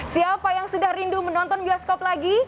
siapa yang sudah rindu menonton bioskop lagi